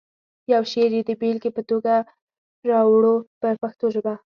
یو شعر یې د بېلګې په توګه راوړو په پښتو ژبه.